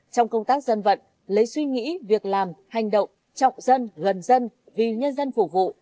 trong công tác dân vận lấy suy nghĩ việc làm hành động trọng dân gần dân vì nhân dân phục vụ